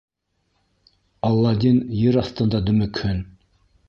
Аладдин ер аҫтында дөмөкһөн!